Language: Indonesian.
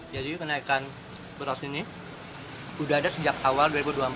jadi kenaikan beras ini udah ada sejak awal dua ribu dua puluh empat